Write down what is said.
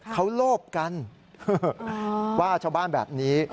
เขาโลภกันว่าชาวบ้านแบบนี้